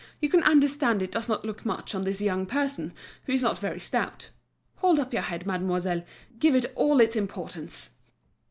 You can understand it does not look much on this young person, who is not very stout. Hold up your head, mademoiselle, give it all its importance."